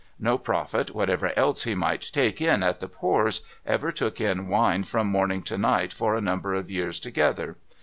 No prophet, whatever else he might take in at the pores, ever took in wine from morning to night, for a number of years together.